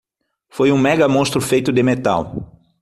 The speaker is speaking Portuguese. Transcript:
Foi um mega monstro feito de metal.